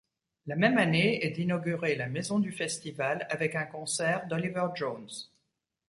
La même année est inaugurée la Maison du Festival avec un concert d'Oliver Jones.